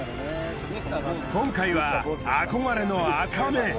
今回は憧れのアカメ。